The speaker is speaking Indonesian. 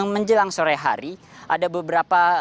menjelang sore hari ada beberapa